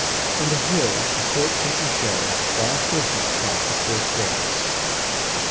On the hill of Fort St. Michel wild horses cropped the coarse grass.